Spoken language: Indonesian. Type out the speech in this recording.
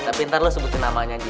tapi ntar lu sebutin namanya aja